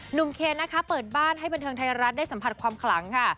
เคนนะคะเปิดบ้านให้บันเทิงไทยรัฐได้สัมผัสความขลังค่ะ